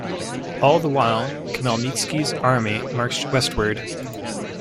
All the while, Khmelnystky's army marched westward.